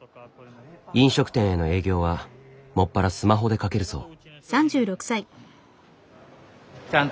飲食店への営業はもっぱらスマホでかけるそう。